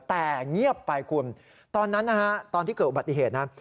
แต่เงียบไปคุณตอนนั้นนะฮะตอนที่เกิดอุบัติเหตุนะ